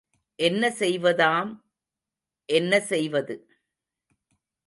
என்ன செய்வதாம் என்ன செய்வது!